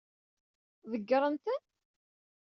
Ḍeggṛent-ten?